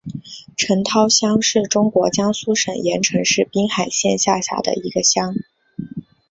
陈涛乡是中国江苏省盐城市滨海县下辖的一个乡。